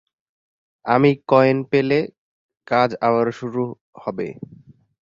আমি কয়েন পেলে, কাজ আবারও শুরু হবে।